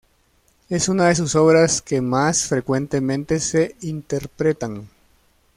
Es una de sus obras que más frecuentemente se interpretan.